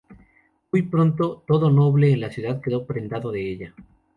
Muy pronto todo noble en la ciudad quedó prendado de ella.